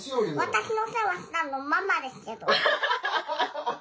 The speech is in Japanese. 私の世話したのママですけど。